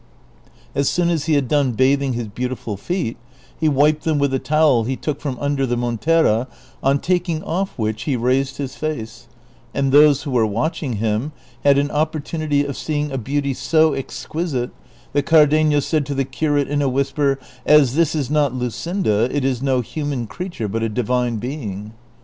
As soon as he had done bathing his beautiful feet, he wiped them with a towel he took from under the montera, on taking off which l;e raised his face, and those who were watching him had an o})portunity of seeing a beauty so exquisite that Car denio said to the curate in a whisper, '' As this is not Luscincla, it is no human creature but a divine being."